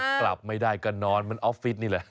กลับไม่ได้ก็นอนมันออฟฟิศนี่แหละ